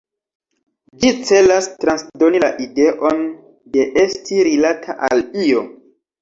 Ĝi celas transdoni la ideon de esti rilata al io.